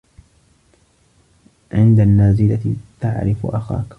عند النازلة تعرف أخاك.